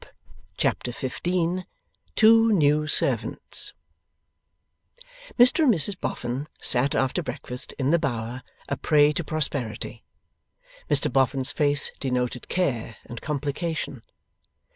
Chapter 15 TWO NEW SERVANTS Mr and Mrs Boffin sat after breakfast, in the Bower, a prey to prosperity. Mr Boffin's face denoted Care and Complication.